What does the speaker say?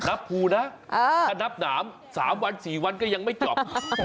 นับภูนะถ้านับหนาม๓วัน๔วันก็ยังไม่จบ